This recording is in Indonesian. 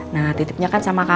nah titipnya kan sama bela kan